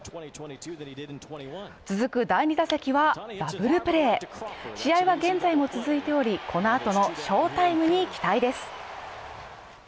続く第２打席はダブルプレー試合は現在も続いており、この後の翔タイムに期待です。